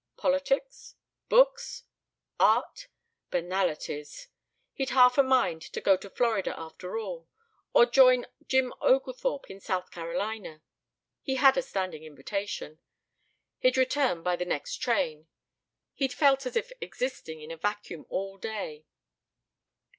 Politics? Books? Art? Banalities! ... he'd half a mind to go to Florida after all ... or join Jim Oglethorpe in South Carolina: he had a standing invitation ... he'd return by the next train; he'd felt as if existing in a vacuum all day.